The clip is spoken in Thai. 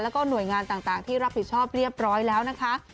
แล้วก็หน่วยงานต่างที่รับผิดชอบเรียบร้อยแล้วนะคะ